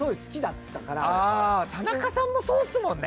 ああ田中さんもそうっすもんね。